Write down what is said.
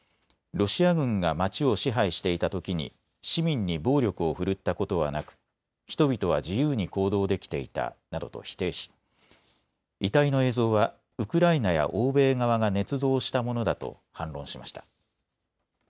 ロシア軍が街を支配していたときに市民に暴力を振るったことはなく人々は自由に行動できていたなどと否定し、遺体の映像はウクライナや欧米側がねつ造したものだと反論しました。